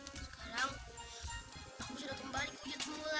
sekarang aku sudah kembali ke hujan semula